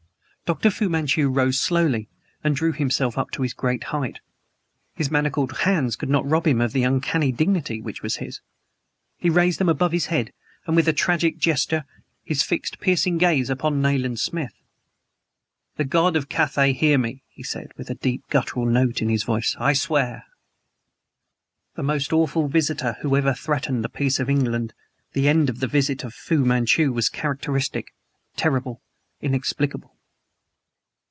Dr. Fu Manchu rose slowly and drew himself up to his great height. His manacled hands could not rob him of the uncanny dignity which was his. He raised them above his head with a tragic gesture and fixed his piercing gaze upon Nayland Smith. "The God of Cathay hear me," he said, with a deep, guttural note in his voice "I swear " The most awful visitor who ever threatened the peace of England, the end of the visit of Fu Manchu was characteristic terrible inexplicable.